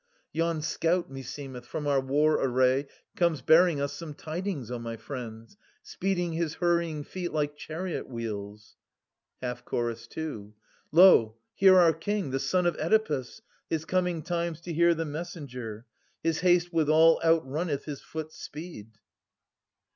Yon scout, meseemeth, from our war array Comes bearing us some tidings, O my friends, 370 Speeding his hurrying feet like chariot wheels. Half Chorus 2. Lo, here our King, the son of Oedipus, His coming times to hear the messenger. His haste withal outrunneth his foot's speed.